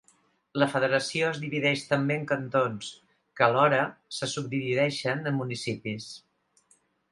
La Federació es divideix també en cantons, que alhora se subdivideixen en municipis.